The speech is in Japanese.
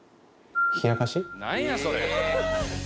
何やそれ。